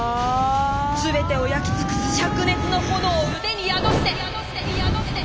全てを焼きつくすしゃく熱のほのおをうでに宿して！